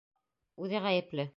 Үҙе ғәйепле!